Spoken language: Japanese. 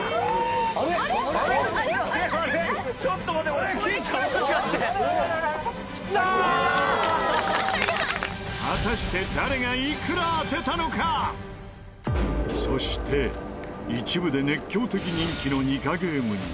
「ちょっと待てこれ」果たしてそして一部で熱狂的人気のニカゲームに。